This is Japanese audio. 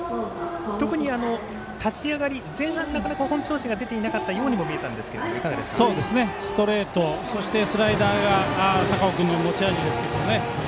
特に立ち上がり、前半本調子が出ていなかったように見えたんですがストレートそしてスライダーが高尾君の持ち味ですけどね。